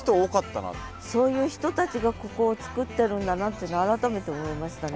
そういう人たちがここをつくってるんだなっていうのを改めて思いましたね。